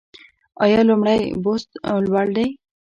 آیا لومړی بست لوړ دی؟